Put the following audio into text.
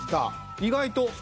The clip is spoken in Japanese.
意外と。